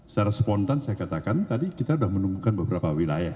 secara spontan saya katakan tadi kita sudah menemukan beberapa wilayah